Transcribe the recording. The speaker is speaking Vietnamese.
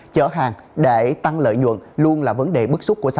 chở hàng để tăng lợi nhuận luôn là vấn đề bức xúc của xã